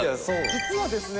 実はですね